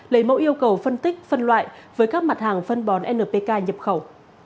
lấy mẫu yêu cầu phân tích phân loại với các mặt hàng phân bón npk nhập khẩu